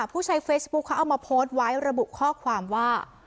ผู้ใช้เฟซบุ๊คเขาเอามาโพสต์ไว้ระบุข้อความว่า